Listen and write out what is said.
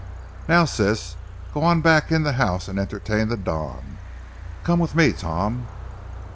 Now, Sis, go on back in the house and entertain the Don. Come with me, Tom."